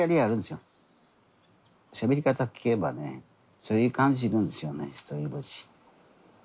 しゃべり方聞けばねそういう感じるんですよね独りぼっち。